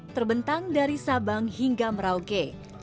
terbentang dari sabang hingga merauke